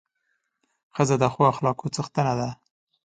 ښځه د ښو اخلاقو څښتنه ده.